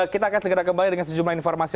kita akan segera kembali dengan sejumlah informasi